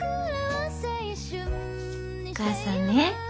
お母さんね